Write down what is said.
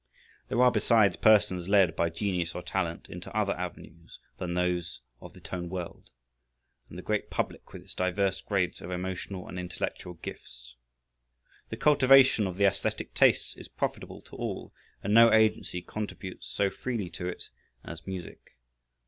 There are besides persons led by genius or talent into other avenues than those of the tone world, and the great public with its diverse grades of emotional and intellectual gifts. The cultivation of the æsthetic tastes is profitable to all, and no agency contributes so freely to it as music.